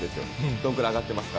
どんくらい上がってますか？